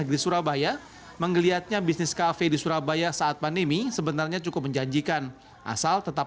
negeri surabaya menggeliatnya bisnis kafe di surabaya saat pandemi sebenarnya cukup menjanjikan asal tetap